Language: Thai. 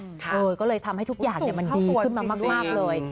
ก็เลยทำให้ทุกอย่างมันดีขึ้นมามากเลย